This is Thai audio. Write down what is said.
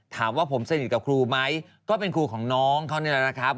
ถามว่าผมสนิทกับครูไหมก็เป็นครูของน้องเขานี่แหละนะครับ